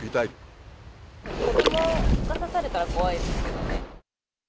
子どもが刺されたら怖いですけどね。